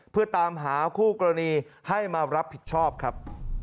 เพื่อตามหาคู่กรณีให้มารับผิดชอบครับ